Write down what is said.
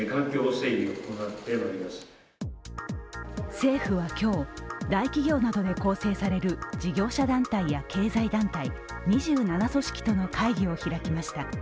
政府は今日、大企業などで構成される事業者団体や経済団体２７組織との会議を開きました。